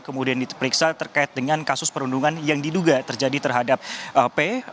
kemudian diperiksa terkait dengan kasus perundungan yang diduga terjadi terhadap p